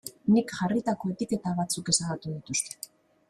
Nik jarritako etiketa batzuk ezabatu dituzte.